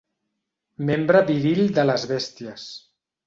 Membre viril de les bèsties.